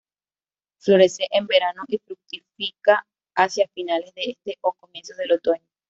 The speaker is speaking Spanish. Florece en verano y fructifica hacia finales de este o comienzos del otoño.